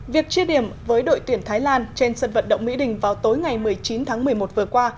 việc chia điểm với đội tuyển thái lan trên sân vận động mỹ đình vào tối ngày một mươi chín tháng một mươi một vừa qua